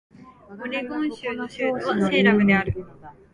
オレゴン州の州都はセイラムである